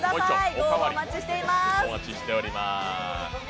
ご応募、お待ちしています。